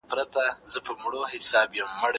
زه پرون ليک لولم وم!